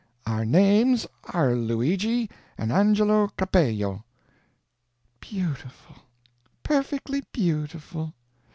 'Our names are Luigi and Angelo Capello '" "Beautiful, perfectly beautiful!